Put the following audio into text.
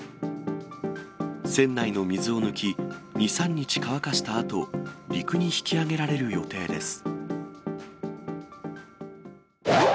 船内の水を抜き、２、３日乾かしたあと、陸に引き揚げられる予定です。